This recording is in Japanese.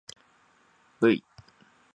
ｖ